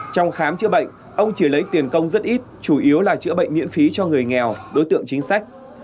trong khám chữa bệnh ông chỉ lấy tiền công rất ít chủ yếu là chữa bệnh miễn phí cho người nghèo đối tượng chính sách